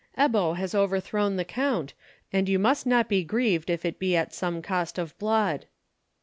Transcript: Ebbo has overthrown the count, and you must not be grieved if it be at some cost of blood."